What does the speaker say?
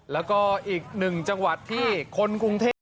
แล้วก็อีกหนึ่งจังหวัดที่คนกรุงเทพ